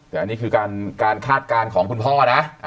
แต่อันนี้คือการคาดการณ์ของคุณพ่อนะ